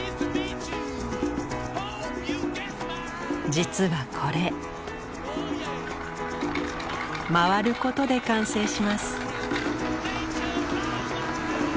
実はこれ回ることで完成します。